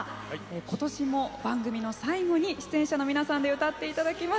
今年も番組の最後に出演者の皆さんで歌っていただきます。